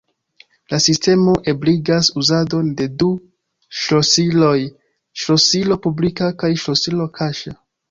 La sistemo ebligas uzadon de du ŝlosiloj: ŝlosilo publika kaj ŝlosilo kaŝa.